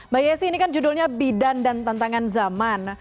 mbak yesi ini kan judulnya bidan dan tantangan zaman